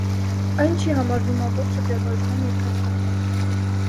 Այն չի համարվում ամբողջ շրջագայության երգացանկը։